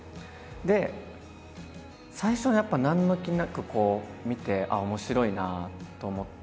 で最初はやっぱ何の気なくこう見て面白いなと思って。